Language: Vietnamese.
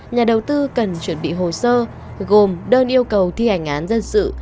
nhà đầu tư cần chuẩn bị hồ sơ gồm đơn yêu cầu thi hành án dân sự